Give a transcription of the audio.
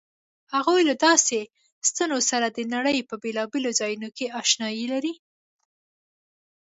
هغوی له داسې ستنو سره د نړۍ په بېلابېلو ځایونو کې آشنايي لري.